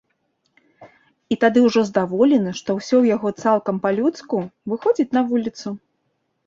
І тады ўжо здаволены, што ўсё ў яго цалкам па-людску, выходзіць на вуліцу.